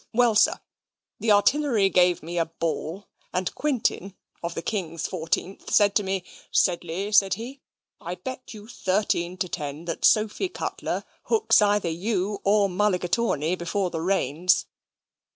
Well, sir, the Artillery gave a ball, and Quintin, of the King's 14th, said to me, 'Sedley,' said he, 'I bet you thirteen to ten that Sophy Cutler hooks either you or Mulligatawney before the rains.'